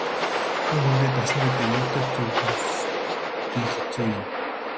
Хүн хүндээ дасна гэдэг юутай ч зүйрлэмгүй хэцүү юм шүү.